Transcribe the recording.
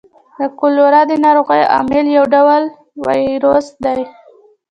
د کولرا د نارغۍ عامل یو ډول ویبریون دی.